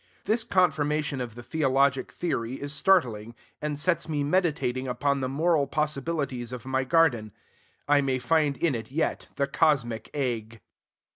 This confirmation of the theologic theory is startling, and sets me meditating upon the moral possibilities of my garden. I may find in it yet the cosmic egg.